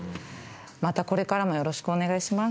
またこれからもよろしくお願いします。